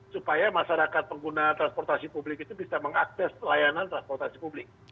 supaya masyarakat pengguna transportasi publik itu bisa mengakses layanan transportasi publik